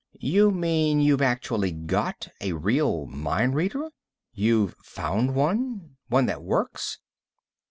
"You mean you've actually got a real mind reader? You've found one? One that works?"